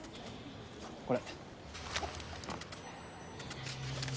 これ。